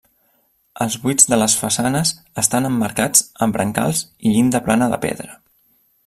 Els buits de les façanes estan emmarcats amb brancals i llinda plana de pedra.